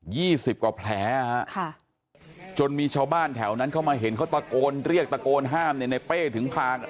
ี่สิบกว่าแผลฮะค่ะจนมีชาวบ้านแถวนั้นเข้ามาเห็นเขาตะโกนเรียกตะโกนห้ามเนี่ยในเป้ถึงพา